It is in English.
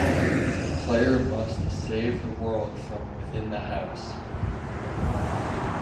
The player must save the world from within the house.